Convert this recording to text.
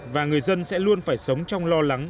và người dân sẽ luôn phải sống trong lo lắng